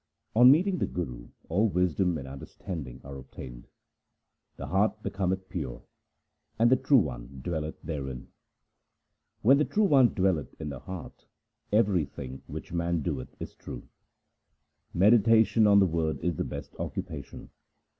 On meeting the Guru all wisdom and understanding are obtained. The heart becometh pure, and the True One dwelleth therein. When the True One dwelleth in the heart, everything which man doeth is true. Meditation on the Word is the best occupation.